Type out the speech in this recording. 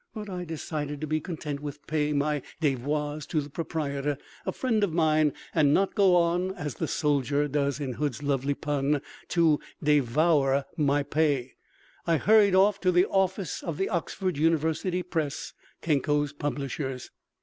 But I decided to be content with paying my devoirs to the proprietor, a friend of mine, and not go on (as the soldier does in Hood's lovely pun) to devour my pay. I hurried off to the office of the Oxford University Press, Kenko's publishers.